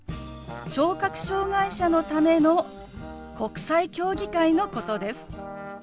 ・聴覚障害者のための国際競技会のことです。